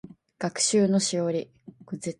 学習のしおり